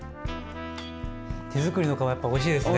手づくりの皮やっぱおいしいですね。